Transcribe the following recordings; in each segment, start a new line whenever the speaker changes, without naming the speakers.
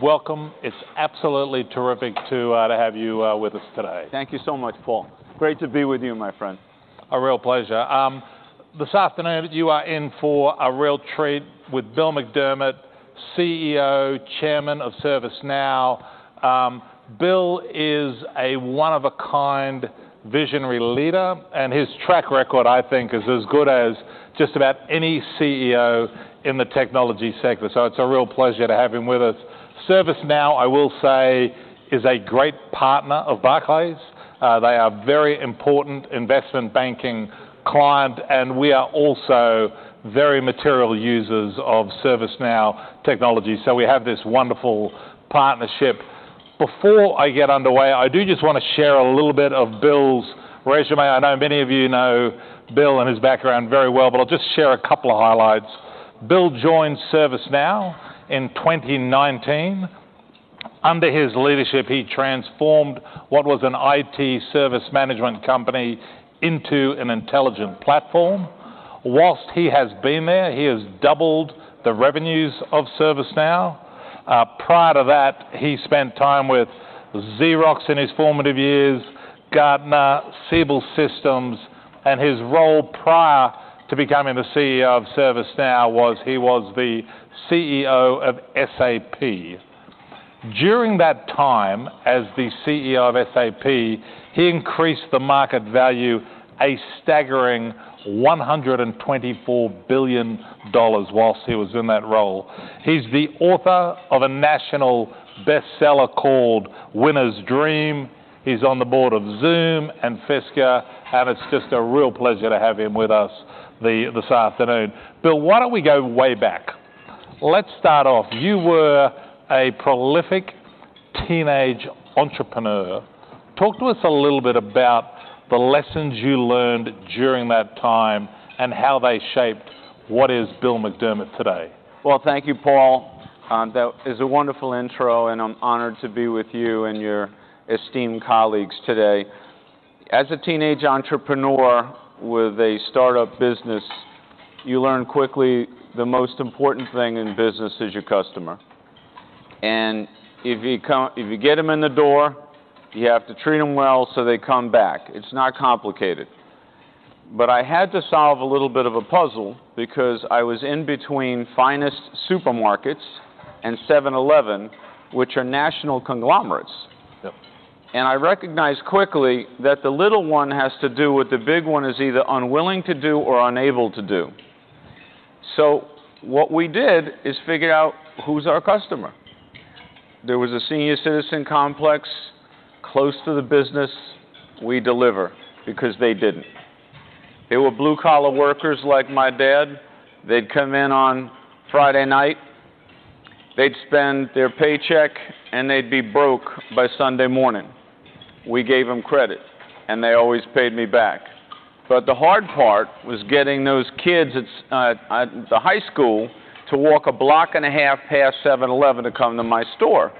Welcome. It's absolutely terrific to have you, with us today.
Thank you so much, Paul. Great to be with you, my friend.
A real pleasure. This afternoon, you are in for a real treat with Bill McDermott, CEO, Chairman of ServiceNow. Bill is a one-of-a-kind visionary leader, and his track record, I think, is as good as just about any CEO in the technology sector. It's a real pleasure to have him with us. ServiceNow, I will say, is a great partner of Barclays. They are a very important investment banking client, and we are also very material users of ServiceNow technology, so we have this wonderful partnership. Before I get underway, I do just want to share a little bit of Bill's resume. I know many of you know Bill and his background very well, but I'll just share a couple of highlights. Bill joined ServiceNow in 2019. Under his leadership, he transformed what was an IT service management company into an intelligent platform. Whilst he has been there, he has doubled the revenues of ServiceNow. Prior to that, he spent time with Xerox in his formative years, Gartner, Siebel Systems, and his role prior to becoming the CEO of ServiceNow was he was the CEO of SAP. During that time, as the CEO of SAP, he increased the market value a staggering $124 billion whilst he was in that role. He's the author of a national bestseller called Winners Dream. He's on the board of Zoom and Fisker, and it's just a real pleasure to have him with us this afternoon. Bill, why don't we go way back? Let's start off. You were a prolific teenage entrepreneur. Talk to us a little bit about the lessons you learned during that time and how they shaped what is Bill McDermott today.
Well, thank you, Paul. That is a wonderful intro, and I'm honored to be with you and your esteemed colleagues today. As a teenage entrepreneur with a startup business, you learn quickly the most important thing in business is your customer. If you get them in the door, you have to treat them well, so they come back. It's not complicated. But I had to solve a little bit of a puzzle because I was in between Finast Supermarkets and 7-Eleven, which are national conglomerates.
Yep.
And I recognized quickly that the little one has to do what the big one is either unwilling to do or unable to do. So what we did is figure out who's our customer. There was a senior citizen complex close to the business. We deliver because they didn't. They were blue-collar workers like my dad. They'd come in on Friday night, they'd spend their paycheck, and they'd be broke by Sunday morning. We gave them credit, and they always paid me back. But the hard part was getting those kids at the high school to walk a block and a half past 7-Eleven to come to my store.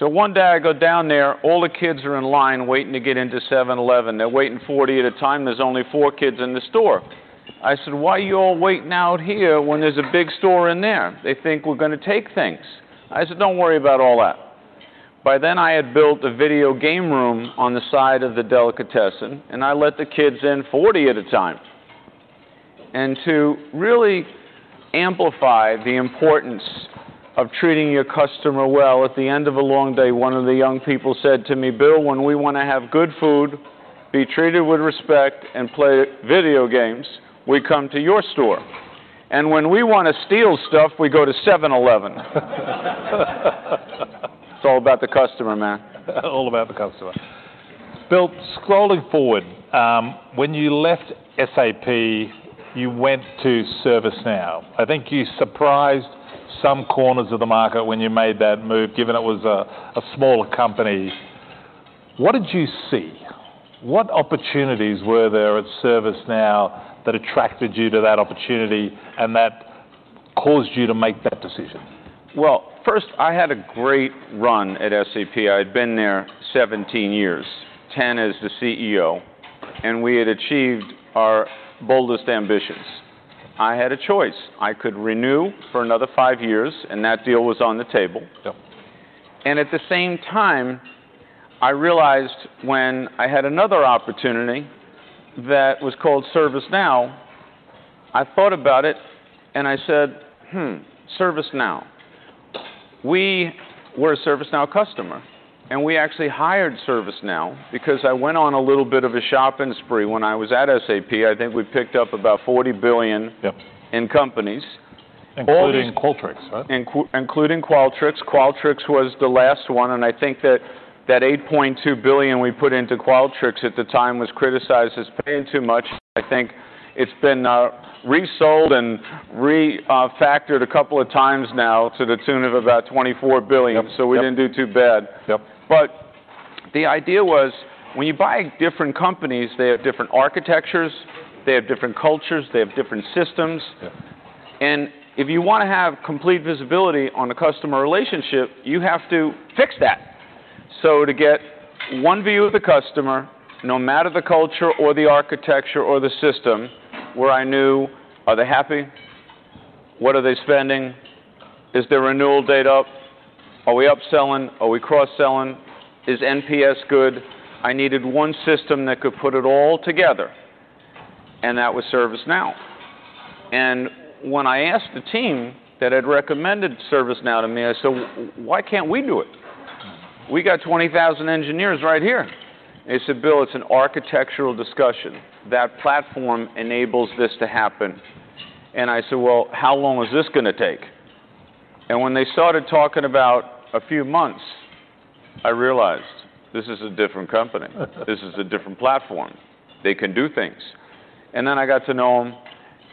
So one day I go down there, all the kids are in line waiting to get into 7-Eleven. They're waiting 40 at a time. There's only four kids in the store. I said, "Why are you all waiting out here when there's a big store in there?" They think we're going to take things. I said, "Don't worry about all that." By then, I had built a video game room on the side of the delicatessen, and I let the kids in 40 at a time. And to really amplify the importance of treating your customer well, at the end of a long day, one of the young people said to me, "Bill, when we want to have good food, be treated with respect, and play video games, we come to your store. And when we want to steal stuff, we go to 7-Eleven." It's all about the customer, man.
All about the customer. Bill, scrolling forward, when you left SAP, you went to ServiceNow. I think you surprised some corners of the market when you made that move, given it was a smaller company. What did you see? What opportunities were there at ServiceNow that attracted you to that opportunity and that caused you to make that decision?
Well, first, I had a great run at SAP. I'd been there 17 years, 10 as the CEO, and we had achieved our boldest ambitions. I had a choice. I could renew for another 5 years, and that deal was on the table.
Yep.
At the same time, I realized when I had another opportunity that was called ServiceNow, I thought about it, and I said: "Hmm, ServiceNow." We were a ServiceNow customer, and we actually hired ServiceNow because I went on a little bit of a shopping spree when I was at SAP. I think we picked up about $40 billion-
Yep...
in companies. All-
Including Qualtrics, right?
Including Qualtrics. Qualtrics was the last one, and I think that $8.2 billion we put into Qualtrics at the time was criticized as paying too much. I think it's been resold and refactored a couple of times now to the tune of about $24 billion.
Yep, yep.
So we didn't do too bad.
Yep.
The idea was, when you buy different companies, they have different architectures, they have different cultures, they have different systems.
Yep.
If you want to have complete visibility on a customer relationship, you have to fix that. To get one view of the customer, no matter the culture or the architecture or the system, where I knew: Are they happy? What are they spending? Is their renewal date up? Are we upselling? Are we cross-selling? Is NPS good? I needed one system that could put it all together, and that was ServiceNow. When I asked the team that had recommended ServiceNow to me, I said, "Why can't we do it? We got 20,000 engineers right here." They said, "Bill, it's an architectural discussion. That platform enables this to happen." I said, "Well, how long is this gonna take?" When they started talking about a few months, I realized this is a different company. This is a different platform. They can do things. And then I got to know them,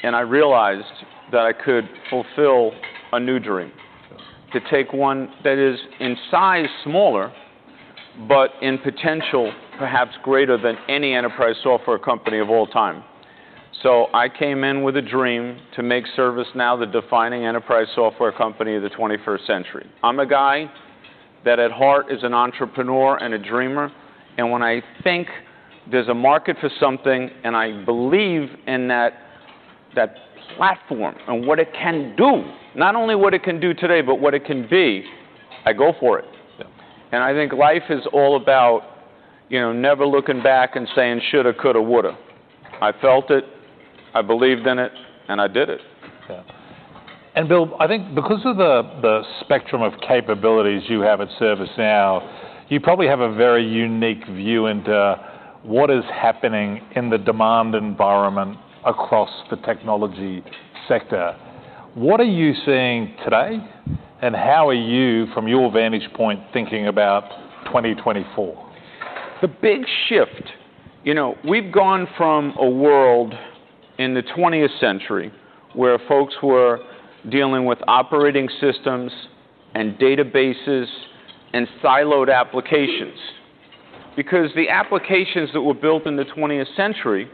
and I realized that I could fulfill a new dream.
Yeah.
To take one that is, in size, smaller, but in potential, perhaps greater than any enterprise software company of all time. So I came in with a dream to make ServiceNow the defining enterprise software company of the 21st century. I'm a guy that, at heart, is an entrepreneur and a dreamer, and when I think there's a market for something, and I believe in that, that platform and what it can do, not only what it can do today, but what it can be, I go for it.
Yeah.
I think life is all about, you know, never looking back and saying, "Shoulda, coulda, woulda." I felt it, I believed in it, and I did it.
Yeah. And Bill, I think because of the spectrum of capabilities you have at ServiceNow, you probably have a very unique view into what is happening in the demand environment across the technology sector. What are you seeing today, and how are you, from your vantage point, thinking about 2024?
The big shift... You know, we've gone from a world in the twentieth century, where folks were dealing with operating systems and databases and siloed applications. Because the applications that were built in the twentieth century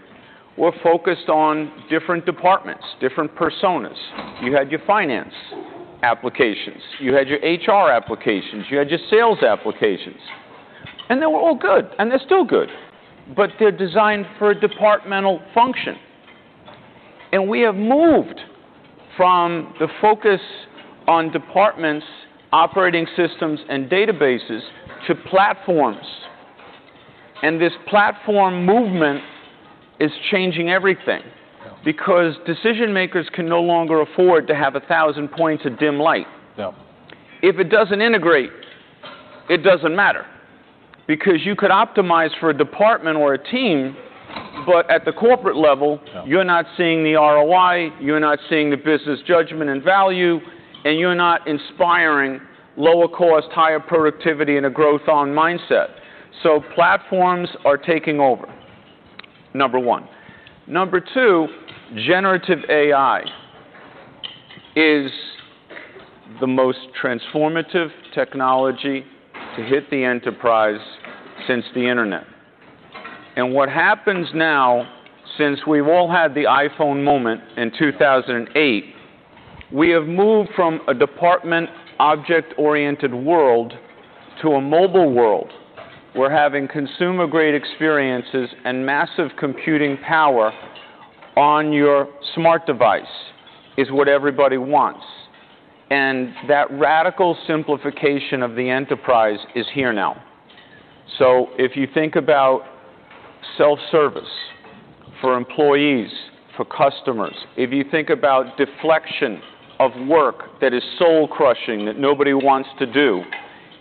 were focused on different departments, different personas. You had your finance applications, you had your HR applications, you had your sales applications, and they were all good, and they're still good, but they're designed for a departmental function. And we have moved from the focus on departments, operating systems, and databases to platforms, and this platform movement is changing everything because decision-makers can no longer afford to have 1,000 points of dim light.
Yeah.
If it doesn't integrate, it doesn't matter. Because you could optimize for a department or a team, but at the corporate level, you're not seeing the ROI, you're not seeing the business judgment and value, and you're not inspiring lower cost, higher productivity, and a growth-on mindset. So platforms are taking over, number one. Number two, generative AI is the most transformative technology to hit the enterprise since the internet. And what happens now, since we've all had the iPhone moment in 2008, we have moved from a department object-oriented world to a mobile world, where having consumer-grade experiences and massive computing power on your smart device is what everybody wants, and that radical simplification of the enterprise is here now. So if you think about self-service for employees, for customers, if you think about deflection of work that is soul-crushing, that nobody wants to do,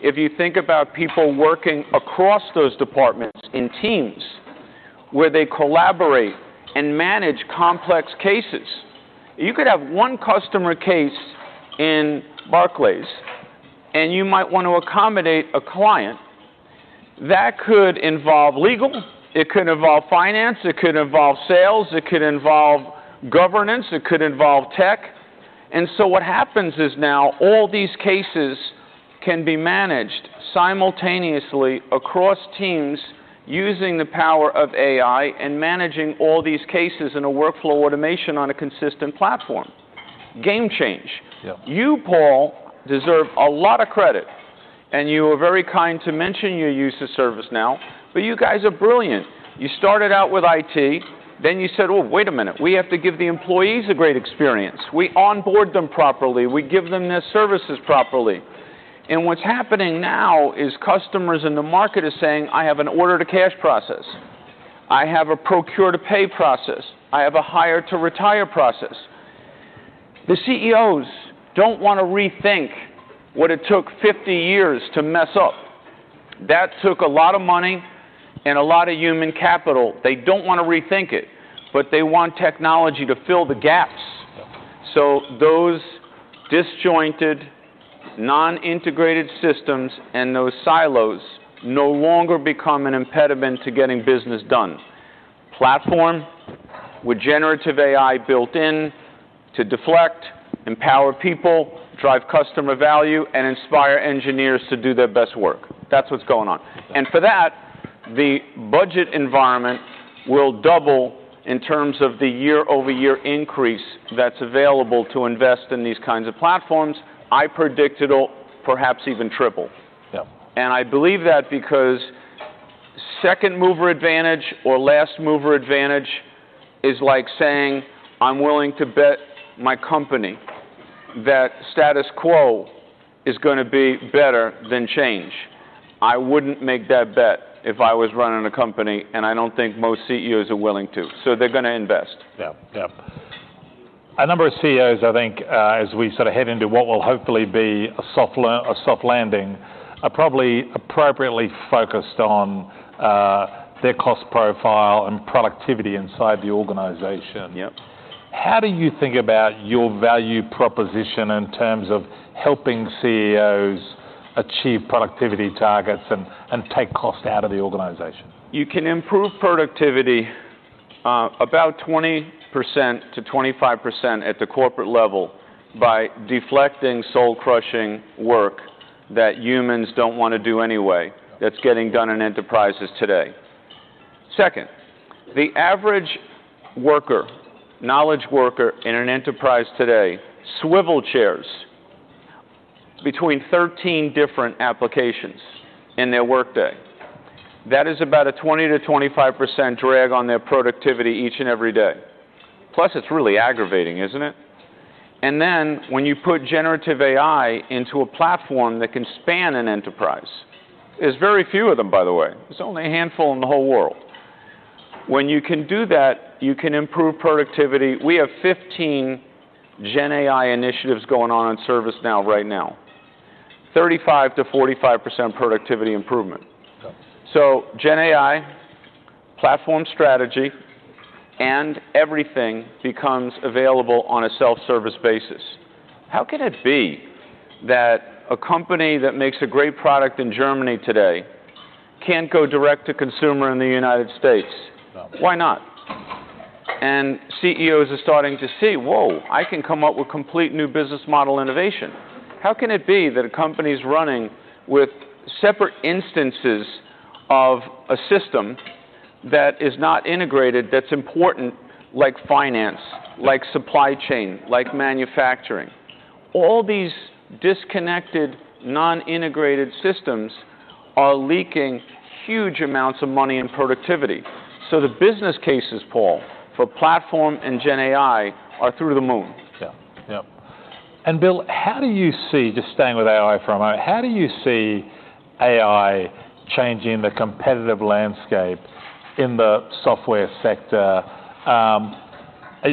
if you think about people working across those departments in teams, where they collaborate and manage complex cases, you could have one customer case in Barclays, and you might want to accommodate a client. That could involve legal, it could involve finance, it could involve sales, it could involve governance, it could involve tech. And so what happens is now all these cases can be managed simultaneously across teams using the power of AI and managing all these cases in a workflow automation on a consistent platform. Game change.
Yeah.
You, Paul, deserve a lot of credit, and you were very kind to mention your use of ServiceNow, but you guys are brilliant. You started out with IT, then you said, "Well, wait a minute, we have to give the employees a great experience. We onboard them properly. We give them their services properly." What's happening now is customers in the market are saying, "I have an order-to-cash process. I have a procure-to-pay process. I have a hire-to-retire process." The CEOs don't want to rethink what it took 50 years to mess up. That took a lot of money and a lot of human capital. They don't want to rethink it, but they want technology to fill the gaps.
Yeah.
So those disjointed, non-integrated systems and those silos no longer become an impediment to getting business done. Platform with generative AI built in to deflect, empower people, drive customer value, and inspire engineers to do their best work. That's what's going on. And for that, the budget environment will double in terms of the year-over-year increase that's available to invest in these kinds of platforms. I predict it'll perhaps even triple.
Yeah.
I believe that because second mover advantage or last mover advantage is like saying, "I'm willing to bet my company that status quo is gonna be better than change." I wouldn't make that bet if I was running a company, and I don't think most CEOs are willing to, so they're gonna invest.
Yeah. Yeah. A number of CEOs, I think, as we sort of head into what will hopefully be a soft landing, are probably appropriately focused on their cost profile and productivity inside the organization.
Yep.
How do you think about your value proposition in terms of helping CEOs achieve productivity targets and take cost out of the organization?
You can improve productivity about 20%-25% at the corporate level by deflecting soul-crushing work that humans don't wanna do anyway, that's getting done in enterprises today. Second, the average worker, knowledge worker in an enterprise today, swivel chairs between 13 different applications in their workday. That is about a 20%-25% drag on their productivity each and every day. Plus, it's really aggravating, isn't it? And then, when you put generative AI into a platform that can span an enterprise... There's very few of them, by the way. There's only a handful in the whole world. When you can do that, you can improve productivity. We have GenAI initiatives going on in ServiceNow right now. 35%-45% productivity improvement.
Okay.
GenAI, platform strategy, and everything becomes available on a self-service basis. How can it be that a company that makes a great product in Germany today can't go direct to consumer in the United States?
No.
Why not? And CEOs are starting to see, "Whoa, I can come up with complete new business model innovation." How can it be that a company's running with separate instances of a system that is not integrated, that's important, like finance, like supply chain, like manufacturing? All these disconnected, non-integrated systems are leaking huge amounts of money and productivity. So the business cases, Paul, for platform GenAI are through the moon.
Yeah. Yep. And Bill, how do you see... Just staying with AI for a moment, how do you see AI changing the competitive landscape in the software sector?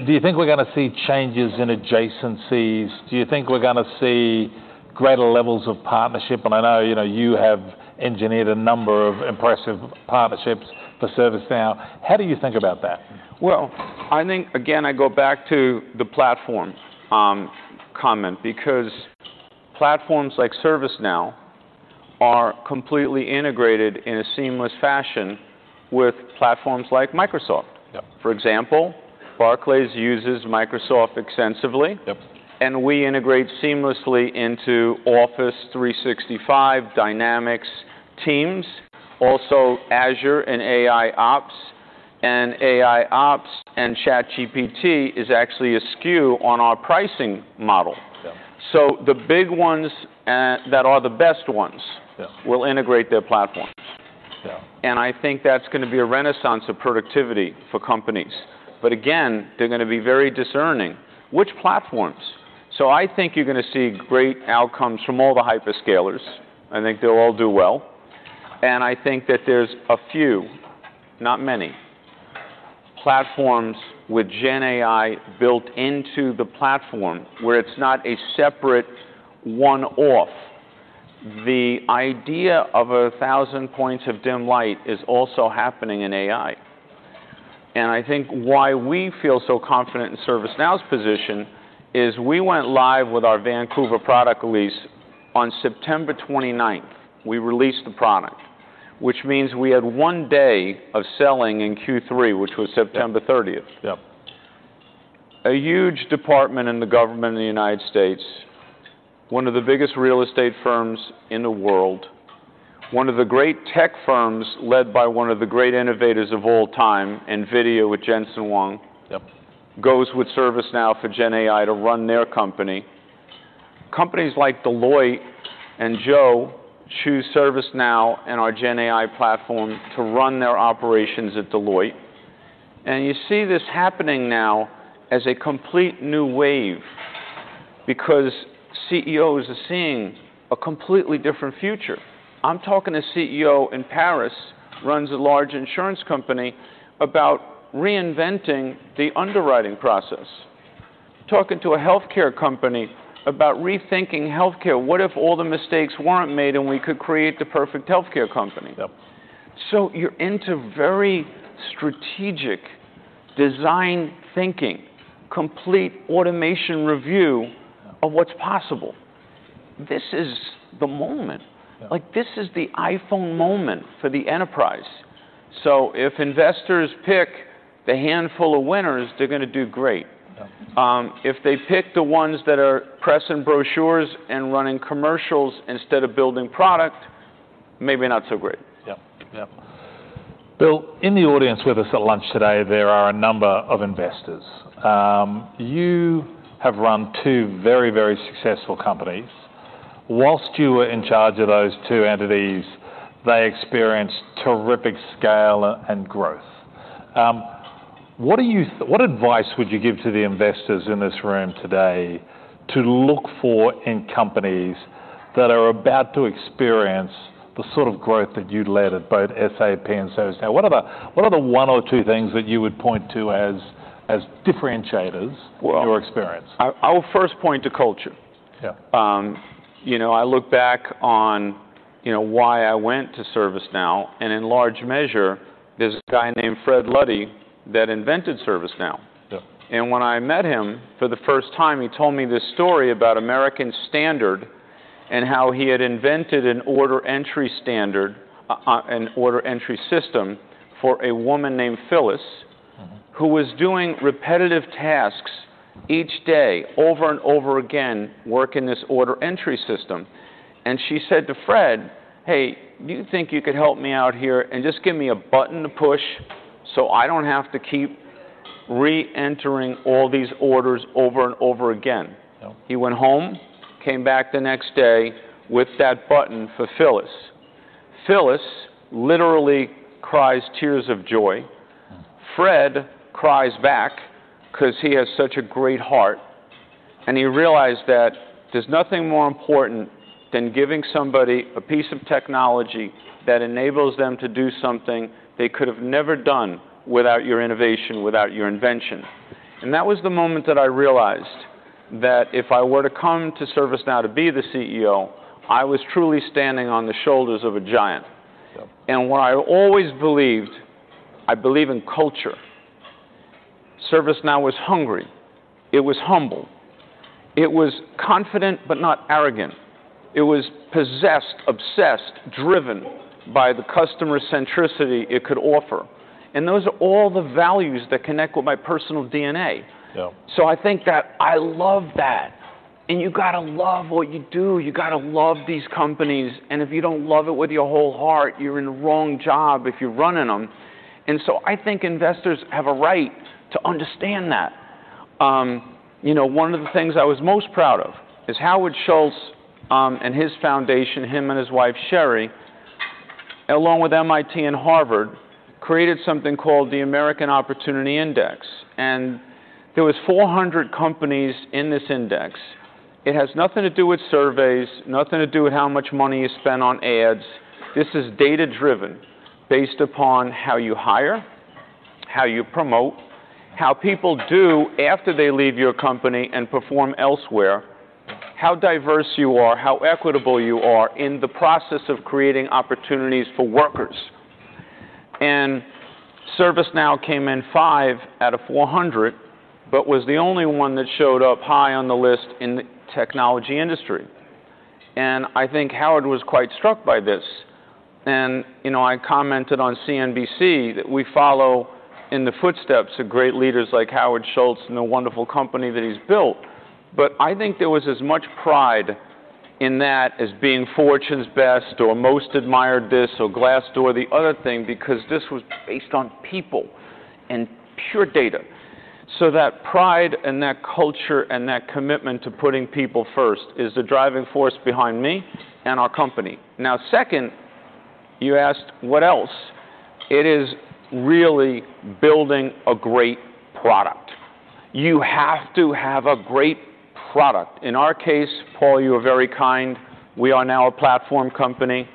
Do you think we're gonna see changes in adjacencies? Do you think we're gonna see greater levels of partnership? And I know, you know, you have engineered a number of impressive partnerships for ServiceNow. How do you think about that?
Well, I think, again, I go back to the platform comment, because platforms like ServiceNow are completely integrated in a seamless fashion with platforms like Microsoft.
Yep.
For example, Barclays uses Microsoft extensively.
Yep.
We integrate seamlessly into Office 365, Dynamics, Teams, also Azure and AIOps, and AIOps and ChatGPT is actually a SKU on our pricing model.
Yeah.
So the big ones, that are the best ones-
Yeah...
will integrate their platforms.
Yeah.
I think that's gonna be a renaissance of productivity for companies. But again, they're gonna be very discerning. Which platforms? So I think you're gonna see great outcomes from all the hyperscalers. I think they'll all do well. And I think that there's a few, not many, platforms GenAI built into the platform, where it's not a separate one-off. The idea of a thousand points of dim light is also happening in AI. And I think why we feel so confident in ServiceNow's position is we went live with our Vancouver product release on September 29th. We released the product, which means we had one day of selling in Q3, which was September 30th.
Yep.
A huge department in the government of the United States, one of the biggest real estate firms in the world, one of the great tech firms, led by one of the great innovators of all time, NVIDIA, with Jensen Huang, goes with ServiceNow GenAI to run their company. Companies like Deloitte and NVIDIA choose ServiceNow and GenAI platform to run their operations at Deloitte. And you see this happening now as a complete new wave because CEOs are seeing a completely different future. I'm talking to a CEO in Paris, runs a large insurance company, about reinventing the underwriting process. Talking to a healthcare company about rethinking healthcare. What if all the mistakes weren't made, and we could create the perfect healthcare company?
Yep.
You're into very strategic design thinking, complete automation review of what's possible. This is the moment.
Yeah.
Like, this is the iPhone moment for the enterprise. So if investors pick the handful of winners, they're gonna do great.
Yeah.
If they pick the ones that are pressing brochures and running commercials instead of building product, maybe not so great.
Yep. Yep. Bill, in the audience with us at lunch today, there are a number of investors. You have run two very, very successful companies. While you were in charge of those two entities, they experienced terrific scale and growth. What advice would you give to the investors in this room today to look for in companies that are about to experience the sort of growth that you led at both SAP and ServiceNow? What are the one or two things that you would point to as differentiators in your experience? I will first point to culture.
Yeah. You know, I look back on, you know, why I went to ServiceNow, and in large measure, there's a guy named Fred Luddy that invented ServiceNow.
Yeah.
When I met him for the first time, he told me this story about American Standard and how he had invented an order entry standard, an order entry system for a woman named Phyllis who was doing repetitive tasks each day, over and over again, working this order entry system. She said to Fred, "Hey, do you think you could help me out here and just give me a button to push, so I don't have to keep re-entering all these orders over and over again?
Yeah.
He went home, came back the next day with that button for Phyllis. Phyllis literally cries tears of joy. Fred calls back 'cause he has such a great heart, and he realized that there's nothing more important than giving somebody a piece of technology that enables them to do something they could have never done without your innovation, without your invention. That was the moment that I realized that if I were to come to ServiceNow to be the CEO, I was truly standing on the shoulders of a giant.
Yeah.
What I always believed, I believe in culture. ServiceNow was hungry. It was humble. It was confident, but not arrogant. It was possessed, obsessed, driven by the customer centricity it could offer, and those are all the values that connect with my personal DNA.
Yeah.
So I think that I love that, and you've got to love what you do. You've got to love these companies, and if you don't love it with your whole heart, you're in the wrong job if you're running them. And so I think investors have a right to understand that. You know, one of the things I was most proud of is Howard Schultz and his foundation, him and his wife, Sheri, along with MIT and Harvard, created something called the American Opportunity Index, and there was 400 companies in this index. It has nothing to do with surveys, nothing to do with how much money you spend on ads. This is data-driven, based upon how you hire, how you promote, how people do after they leave your company and perform elsewhere, how diverse you are, how equitable you are in the process of creating opportunities for workers. ServiceNow came in 5 out of 400, but was the only one that showed up high on the list in the technology industry. I think Howard was quite struck by this. You know, I commented on CNBC that we follow in the footsteps of great leaders like Howard Schultz and the wonderful company that he's built. But I think there was as much pride in that as being Fortune's best or most admired this or Glassdoor, the other thing, because this was based on people and pure data. So that pride and that culture and that commitment to putting people first is the driving force behind me and our company. Now, second, you asked what else? It is really building a great product. You have to have a great product. In our case, Paul, you are very kind. We are now a platform company.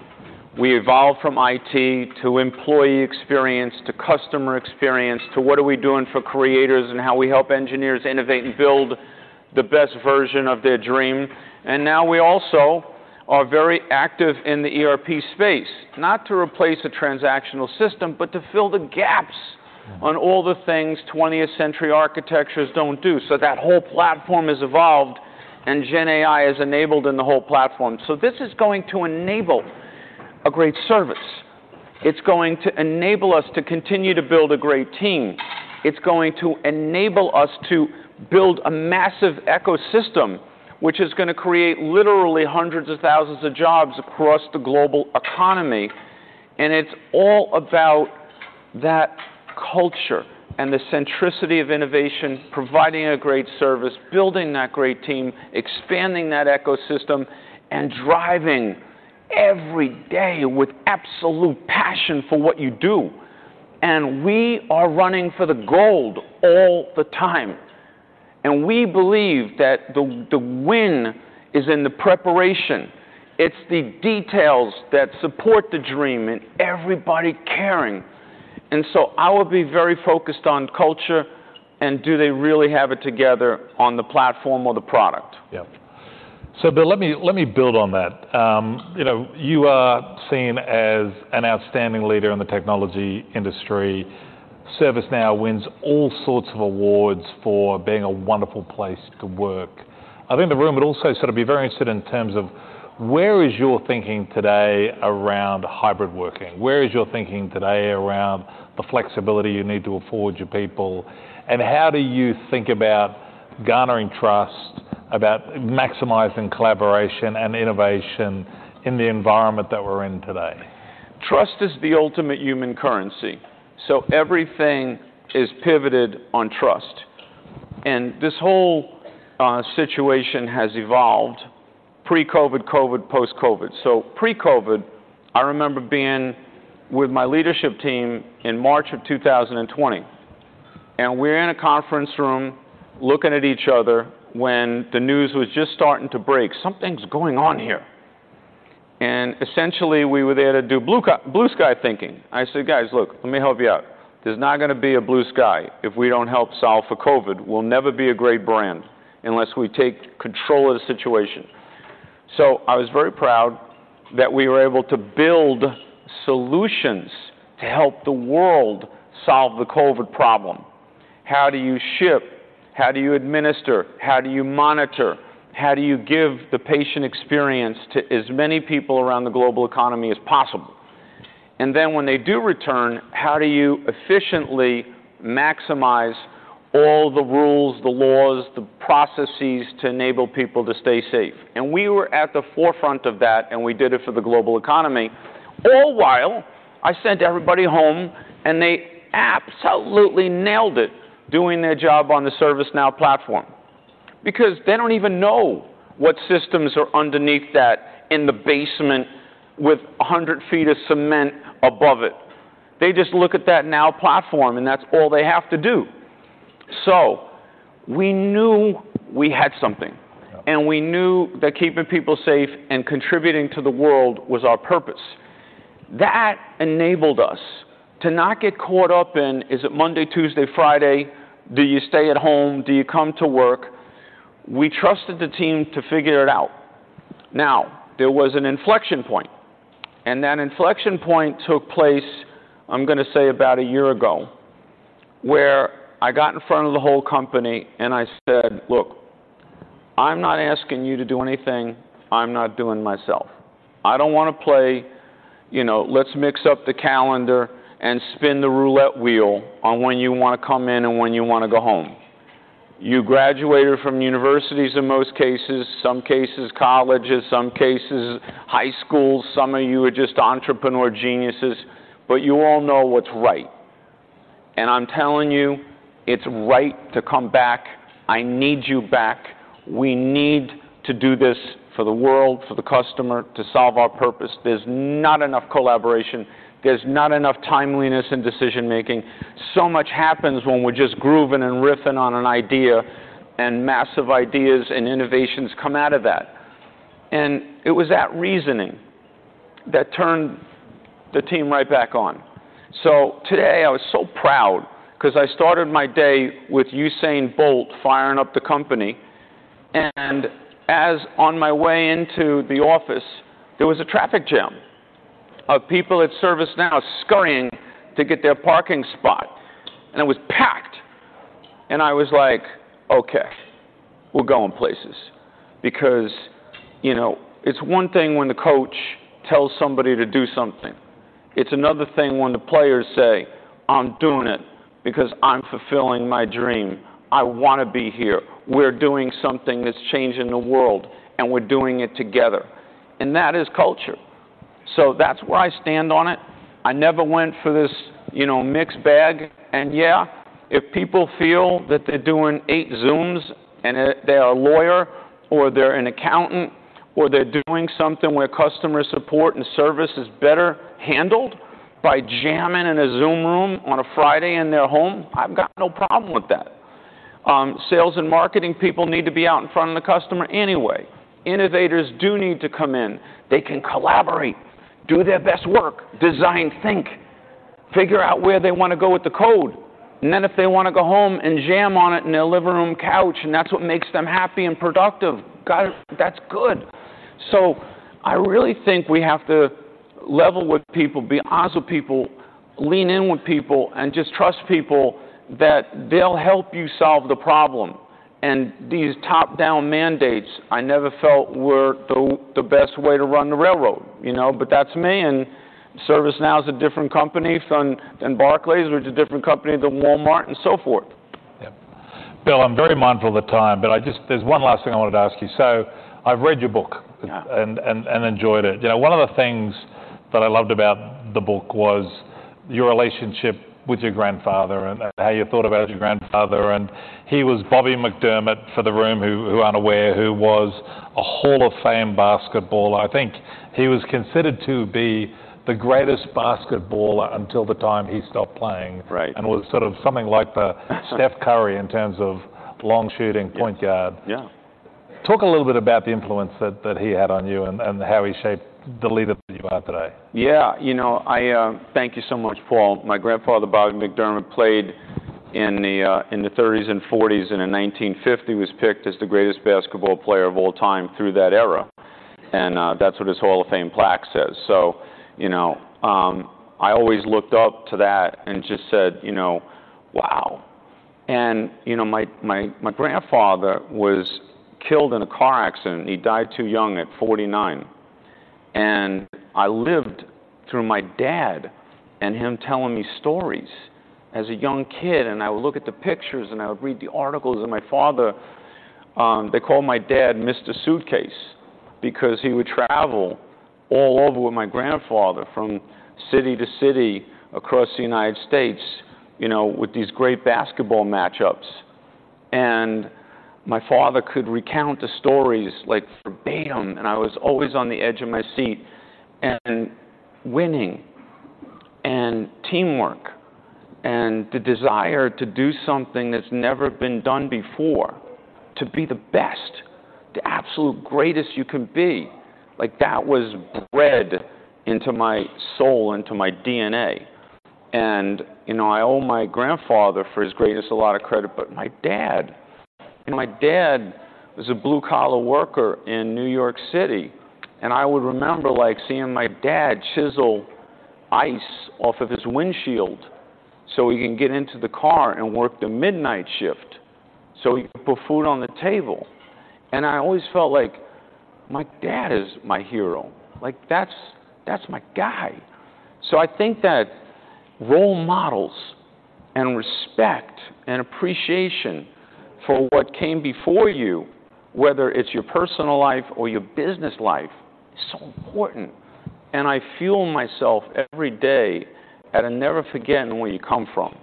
We evolved from IT to employee experience, to customer experience, to what are we doing for creators and how we help engineers innovate and build the best version of their dream. And now we also are very active in the ERP space, not to replace a transactional system, but to fill the gaps on all the things 20th century architectures don't do. So that whole platform has evolved, GenAI is enabled in the whole platform. So this is going to enable a great service. It's going to enable us to continue to build a great team. It's going to enable us to build a massive ecosystem, which is gonna create literally hundreds of thousands of jobs across the global economy. And it's all about that culture and the centricity of innovation, providing a great service, building that great team, expanding that ecosystem, and driving every day with absolute passion for what you do. And we are running for the gold all the time, and we believe that the win is in the preparation. It's the details that support the dream and everybody caring. I would be very focused on culture and do they really have it together on the platform or the product?
Yeah. So Bill, let me, let me build on that. You know, you are seen as an outstanding leader in the technology industry. ServiceNow wins all sorts of awards for being a wonderful place to work.... I think the room would also sort of be very interested in terms of where is your thinking today around hybrid working? Where is your thinking today around the flexibility you need to afford your people, and how do you think about garnering trust, about maximizing collaboration and innovation in the environment that we're in today?
Trust is the ultimate human currency, so everything is pivoted on trust. This whole situation has evolved pre-COVID, COVID, post-COVID. Pre-COVID, I remember being with my leadership team in March 2020, and we're in a conference room looking at each other when the news was just starting to break, "Something's going on here." Essentially, we were there to do blue sky thinking. I said: "Guys, look, let me help you out. There's not gonna be a blue sky if we don't help solve for COVID. We'll never be a great brand unless we take control of the situation." I was very proud that we were able to build solutions to help the world solve the COVID problem. How do you ship? How do you administer? How do you monitor? How do you give the patient experience to as many people around the global economy as possible? And then, when they do return, how do you efficiently maximize all the rules, the laws, the processes to enable people to stay safe? We were at the forefront of that, and we did it for the global economy. All while, I sent everybody home, and they absolutely nailed it, doing their job on the ServiceNow platform. Because they don't even know what systems are underneath that in the basement with 100 ft of cement above it. They just look at that Now Platform, and that's all they have to do. So we knew we had something, and we knew that keeping people safe and contributing to the world was our purpose. That enabled us to not get caught up in, "Is it Monday, Tuesday, Friday? Do you stay at home? Do you come to work?" We trusted the team to figure it out. Now, there was an inflection point, and that inflection point took place, I'm gonna say, about a year ago, where I got in front of the whole company and I said: "Look, I'm not asking you to do anything I'm not doing myself. I don't wanna play, you know, let's mix up the calendar and spin the roulette wheel on when you wanna come in and when you wanna go home. You graduated from universities in most cases, some cases, colleges, some cases, high schools, some of you are just entrepreneur geniuses, but you all know what's right. And I'm telling you, it's right to come back. I need you back. We need to do this for the world, for the customer, to solve our purpose. There's not enough collaboration. There's not enough timeliness in decision-making. So much happens when we're just grooving and riffing on an idea, and massive ideas and innovations come out of that." It was that reasoning that turned the team right back on. Today, I was so proud 'cause I started my day with Usain Bolt firing up the company, and as on my way into the office, there was a traffic jam of people at ServiceNow scurrying to get their parking spot, and it was packed! I was like, "Okay, we're going places." Because, you know, it's one thing when the coach tells somebody to do something. It's another thing when the players say, "I'm doing it because I'm fulfilling my dream. I wanna be here. We're doing something that's changing the world, and we're doing it together." And that is culture. That's where I stand on it. I never went for this, you know, mixed bag. And, yeah, if people feel that they're doing eight Zooms and they're a lawyer or they're an accountant, or they're doing something where customer support and service is better handled by jamming in a Zoom room on a Friday in their home, I've got no problem with that. Sales and marketing people need to be out in front of the customer anyway. Innovators do need to come in. They can collaborate, do their best work, design think, figure out where they wanna go with the code, and then if they wanna go home and jam on it in their living room couch, and that's what makes them happy and productive, got it, that's good. So I really think we have to level with people, be honest with people, lean in with people, and just trust people that they'll help you solve the problem. And these top-down mandates, I never felt were the best way to run the railroad, you know? But that's me, and ServiceNow is a different company from… than Barclays, which is a different company than Walmart and so forth.
Yeah. Bill, I'm very mindful of the time, but I just—there's one last thing I wanted to ask you. So I've read your book—
Yeah...
and enjoyed it. You know, one of the things that I loved about the book was your relationship with your grandfather and how you thought about your grandfather. He was Bobby McDermott, for the room who aren't aware, who was a Hall of Fame basketballer. I think he was considered to be the greatest basketballer until the time he stopped playing.
Right...
and was sort of something like the Steph Curry in terms of long-shooting point guard.
Yeah.
Talk a little bit about the influence that he had on you and how he shaped the leader that you are today?
Yeah. You know, I thank you so much, Paul. My grandfather, Bobby McDermott, played in the 1930s and 1940s, and in 1950, was picked as the greatest basketball player of all time through that era, and that's what his Hall of Fame plaque says. So, you know, I always looked up to that and just said, you know, "Wow!" And, you know, my grandfather was killed in a car accident. He died too young at 49, and I lived through my dad and him telling me stories as a young kid, and I would look at the pictures, and I would read the articles, and my father, they called my dad Mr. Suitcase because he would travel all over with my grandfather from city to city across the United States, you know, with these great basketball match-ups. And my father could recount the stories, like, verbatim, and I was always on the edge of my seat. And winning and teamwork and the desire to do something that's never been done before, to be the best, the absolute greatest you can be, like, that was bred into my soul, into my DNA. And, you know, I owe my grandfather, for his greatness, a lot of credit, but my dad, you know, my dad was a blue-collar worker in New York City, and I would remember, like, seeing my dad chisel ice off of his windshield so he can get into the car and work the midnight shift, so he could put food on the table. And I always felt like my dad is my hero. Like, that's, that's my guy. So I think that role models and respect and appreciation for what came before you, whether it's your personal life or your business life, is so important, and I fuel myself every day at a never forgetting where you come from,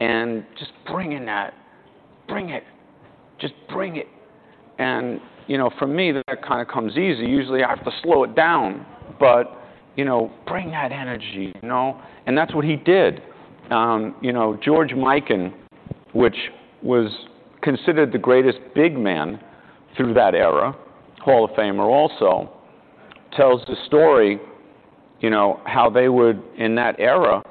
and just bringing that, bring it, just bring it. And, you know, for me, that kind of comes easy. Usually, I have to slow it down, but, you know, bring that energy, you know? And that's what he did. You know, George Mikan, which was considered the greatest big man through that era, Hall of Famer also, tells the story, you know, how they would, in that era,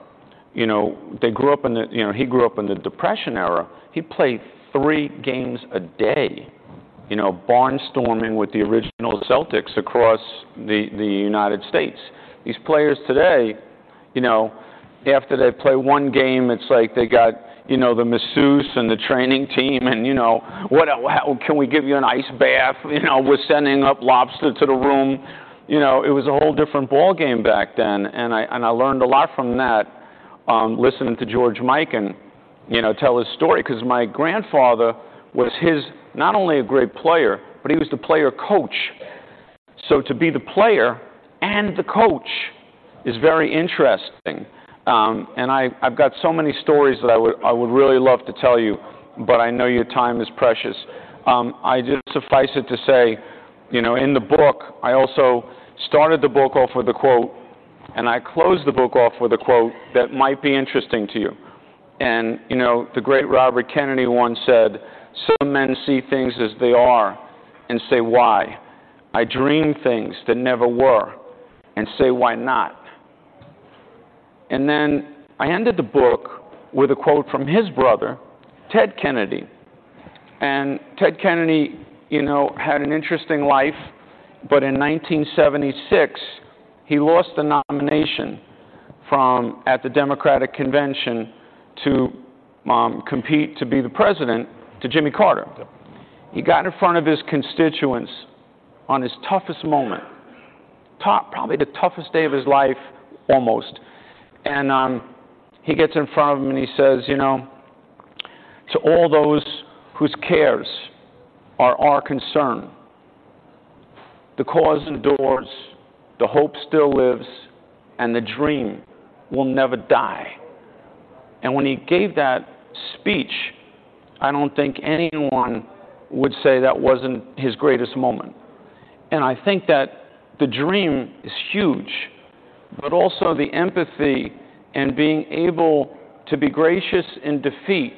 you know, they grew up in the, you know, he grew up in the Depression era. He played three games a day, you know, barnstorming with the Original Celtics across the United States. These players today, you know, after they play one game, it's like they got, you know, the masseuse and the training team and, you know, "What, how— Can we give you an ice bath?" You know, "We're sending up lobster to the room." You know, it was a whole different ballgame back then, and I, and I learned a lot from that, listening to George Mikan, you know, tell his story. 'Cause my grandfather was his... Not only a great player, but he was the player coach. So to be the player and the coach is very interesting. And I, I've got so many stories that I would, I would really love to tell you, but I know your time is precious. I just suffice it to say, you know, in the book, I also started the book off with a quote, and I closed the book off with a quote that might be interesting to you. And, you know, the great Robert Kennedy once said, "Some men see things as they are and say, 'Why?' I dream things that never were and say, 'Why not?'" And then I ended the book with a quote from his brother, Ted Kennedy. And Ted Kennedy, you know, had an interesting life, but in 1976, he lost the nomination from, at the Democratic Convention, to, compete to be the president to Jimmy Carter. He got in front of his constituents on his toughest moment, probably the toughest day of his life, almost, and he gets in front of them, and he says, "You know, to all those whose cares are our concern, the cause endures, the hope still lives, and the dream will never die." And when he gave that speech, I don't think anyone would say that wasn't his greatest moment. And I think that the dream is huge, but also the empathy and being able to be gracious in defeat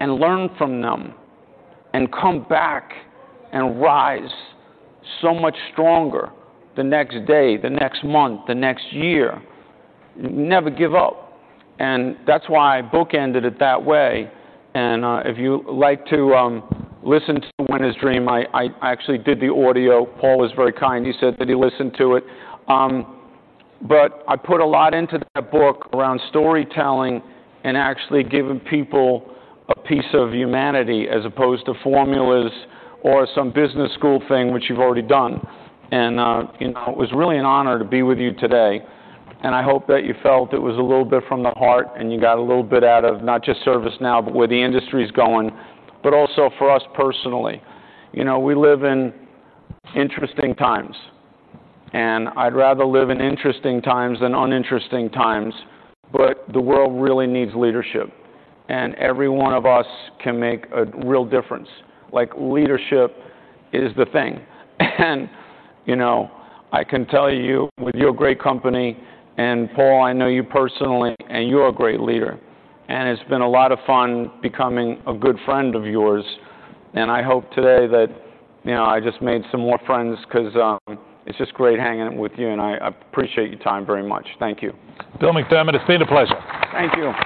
and learn from them and come back and rise so much stronger the next day, the next month, the next year. Never give up. And that's why I bookended it that way, and if you like to listen to Winners Dream, I actually did the audio. Paul was very kind. He said that he listened to it. But I put a lot into that book around storytelling and actually giving people a piece of humanity as opposed to formulas or some business school thing, which you've already done. And, you know, it was really an honor to be with you today, and I hope that you felt it was a little bit from the heart, and you got a little bit out of not just ServiceNow, but where the industry is going, but also for us personally. You know, we live in interesting times, and I'd rather live in interesting times than uninteresting times. But the world really needs leadership, and every one of us can make a real difference. Like, leadership is the thing. You know, I can tell you, with your great company, and Paul, I know you personally, and you're a great leader, and it's been a lot of fun becoming a good friend of yours. And I hope today that, you know, I just made some more friends 'cause it's just great hanging out with you, and I appreciate your time very much. Thank you.
Bill McDermott, it's been a pleasure.
Thank you.